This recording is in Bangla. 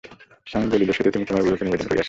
স্বামী বলিল, সে তো তুমি তোমার গুরুকে নিবেদন করিয়াছ।